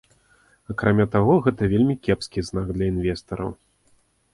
Акрамя таго, гэта вельмі кепскі знак для інвестараў.